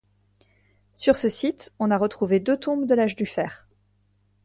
Sur ce site, on a retrouvé deux tombes de l'âge du fer.